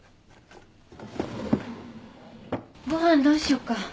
ご飯どうしよっか。